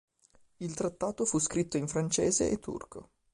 Il trattato fu scritto in francese e turco.